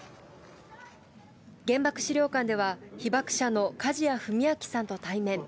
原爆資料館では、被爆者の梶矢文昭さんと対面。